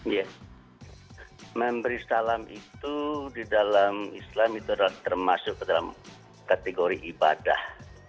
ya memberi salam itu di dalam islam itu termasuk ke dalam kategori ibadah